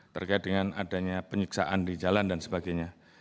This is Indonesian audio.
terkait dengan adanya penyiksaan di jalan dan sebagainya